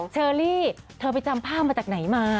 เชอรี่เธอไปจำภาพมาจากไหนมา